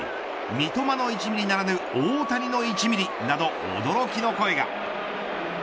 三笘の１ミリならぬ大谷の１ミリなど驚きの声が。